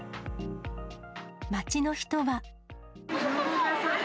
街の人は。